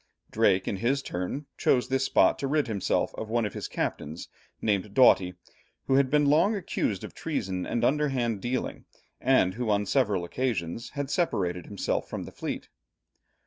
Drake in his turn, chose this spot to rid himself of one of his captains, named Doughty, who had been long accused of treason and underhand dealing, and who on several occasions had separated himself from the fleet.